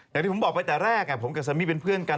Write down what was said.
อย่างที่ผมบอกไปแต่แรกผมกับสามีเป็นเพื่อนกัน